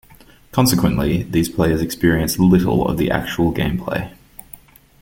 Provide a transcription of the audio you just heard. Consequently, these players experienced little of the actual game play.